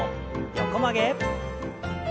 横曲げ。